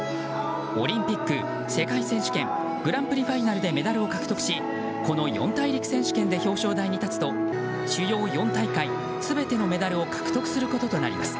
オリンピック、世界選手権グランプリファイナルでメダルを獲得しこの四大陸選手権で表彰台に立つと、主要４大会全てのメダルを獲得することとなります。